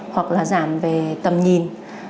hoặc là giảm về tầm nhìn